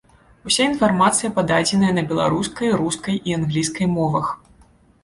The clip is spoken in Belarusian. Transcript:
Уся інфармацыя пададзеная на беларускай, рускай і англійскай мовах.